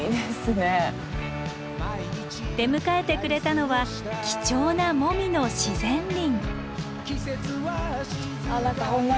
出迎えてくれたのは貴重なモミの自然林。